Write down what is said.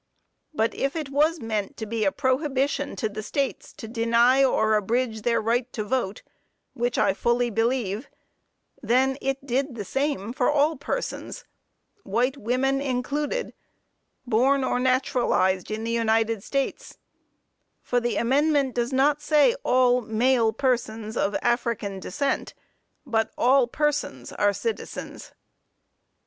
But, if it was meant to be a prohibition of the states, to deny or abridge their right to vote which I fully believe then it did the same for all persons, white women included, born or naturalized in the United States; for the amendment does not say all male persons of African descent, but all persons are citizens.